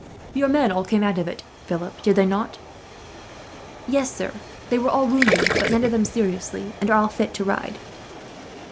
"Your men all came out of it, Philip, did they not?" "Yes, sir. They were all wounded, but none of them seriously, and are all fit to ride."